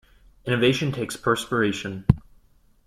Innovation takes perspiration.